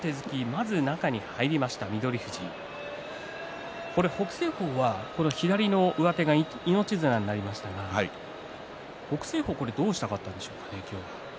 まず中に入りました翠富士北青鵬は左の上手が命綱になりましたが北青鵬はどうしたかったでしょうかね